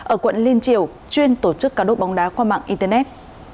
ở quận liên triều chuyên tổ chức cá độ bóng đá qua mạng internet